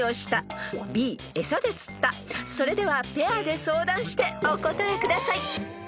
［それではペアで相談してお答えください］